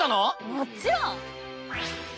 もちろん！